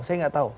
saya gak tahu